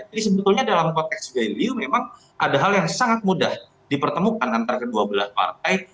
jadi sebetulnya dalam konteks jlu memang ada hal yang sangat mudah dipertemukan antara kedua belah partai